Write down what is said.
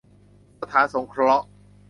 สถานสงเคราะห์